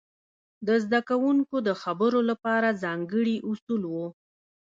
د زده کوونکو د خبرو لپاره ځانګړي اصول وو.